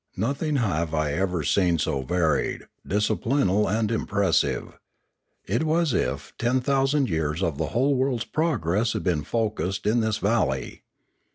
Nothing have I ever seen so varied, disciplinal, and impressive. It was as if ten thousand years of the whole world's progress had been focussed in this val ley.